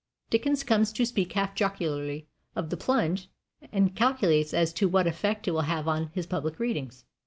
Dickens comes to speak half jocularly of "the plunge," and calculates as to what effect it will have on his public readings.